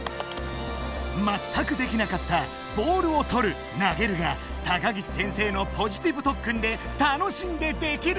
まったくできなかったボールをとる投げるが高岸先生のポジティブとっくんで楽しんでできるようになった！